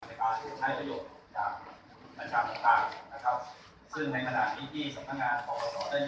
ทีหนึ่งหรือสิบสามคดีใน๒๒กว่ารวมทั้งสิบสิบสองพันธุ์ประมาณ